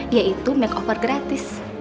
yaitu makeover gratis